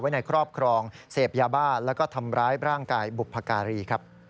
ไว้ในครอบครองเสพยาบาดและทำร้ายร่างกายบุพการี